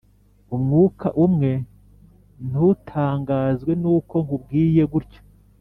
Umwuka umwe Ntutangazwe nuko nkubwiye kutyo